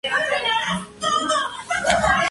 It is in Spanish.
G. Goes to College".